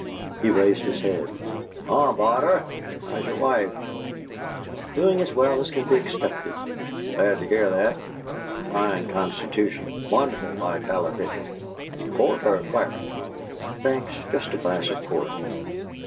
He raised his head. "Ah, Barter! How's your wife?" "Doing as well as can be expected." "Glad to hear that! A fine constitution wonderful vitality. Port or claret?" "Thanks; just a glass of port."